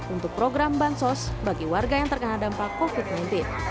untuk program bansos bagi warga yang terkena dampak covid sembilan belas